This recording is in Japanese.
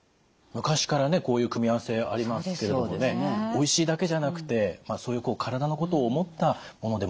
昔からこういう組み合わせありますけどおいしいだけじゃなくてそういう体のことを思ったものでもあるのかもしれないですね。